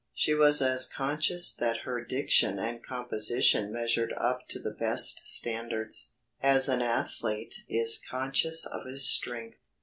She was as conscious that her diction and composition measured up to the best standards, as an athlete is conscious of his strength.